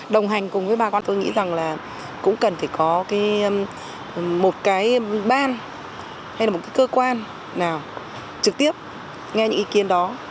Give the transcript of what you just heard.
đồng hành cùng với bà con tôi nghĩ rằng là cũng cần phải có một cái ban hay là một cái cơ quan nào trực tiếp nghe những ý kiến đó